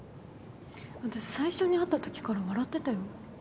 私最初に会ったときから笑ってたよ？